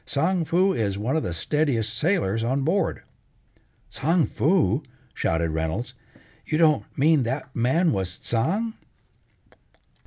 Tsang Foo is one of the steadiest sailors on board." "Tsang Foo!" shouted Reynolds. "You don't mean that man was Tsang?"